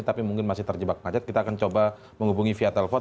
tapi mungkin masih terjebak macet kita akan coba menghubungi via telepon